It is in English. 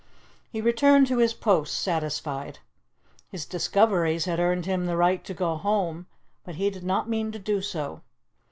He returned to his post satisfied. His discoveries had earned him the right to go home, but he did not mean to do so.